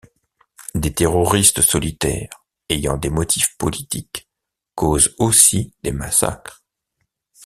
Des terroristes solitaires ayant des motifs politiques causent aussi des massacres.